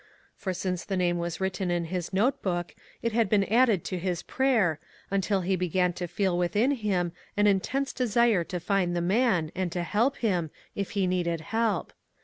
For since the name was written in his notebook, it had been added to his prayer, until he began to feel within him an intense desire to find the man, and to help him, if he needed help.